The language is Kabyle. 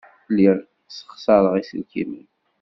Lliɣ ssexṣareɣ iselkimen.